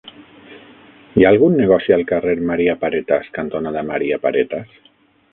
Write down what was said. Hi ha algun negoci al carrer Maria Paretas cantonada Maria Paretas?